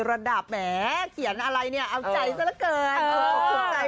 ระดับแหมเขียนอะไรเนี่ยเอาใจซะละเกิน